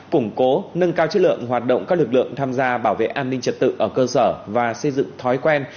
củng cố nâng cao chất lượng hoạt động các lực lượng tham gia bảo vệ an ninh trật tự ở cơ sở và xây dựng thói quen